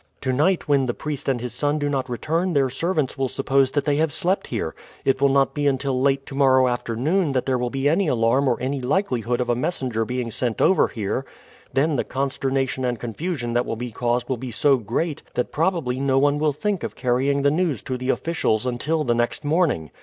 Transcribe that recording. "To night when the priest and his son do not return their servants will suppose that they have slept here. It will not be until late to morrow afternoon that there will be any alarm or any likelihood of a messenger being sent over here; then the consternation and confusion that will be caused will be so great that probably no one will think of carrying the news to the officials until the next morning.